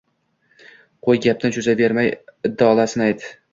Qo`y, gapni cho`zavermay, indallosini ayt